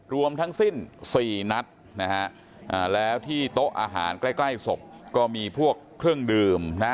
รวมทั้งสิ้น๔นัดนะฮะแล้วที่โต๊ะอาหารใกล้ใกล้ศพก็มีพวกเครื่องดื่มนะ